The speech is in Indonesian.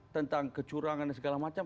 tentang kecurangan dan segala macam